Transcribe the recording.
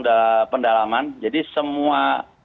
dalam pendalaman jadi semua